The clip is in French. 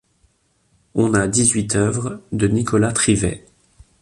On a dix-huit œuvres de Nicholas Trivet.